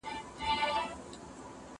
زه به سبا تمرين وکړم!